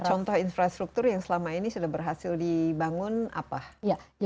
contoh infrastruktur yang selama ini sudah berhasil dibangun apa